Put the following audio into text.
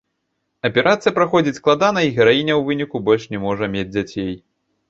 Аперацыя праходзіць складана, і гераіня ў выніку больш не можа мець дзяцей.